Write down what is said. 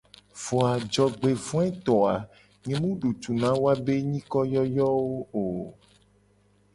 Vo a jogbevoeto a nye mu du tu na woabe be nyikoyoyowo o.